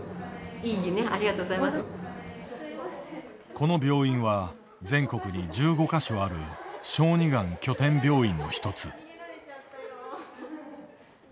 この病院は全国に１５か所ある「小児がん拠点病院」の１つ。